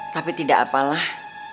tapi tidak apalah